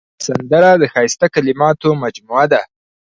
سندره د ښایسته کلماتو مجموعه ده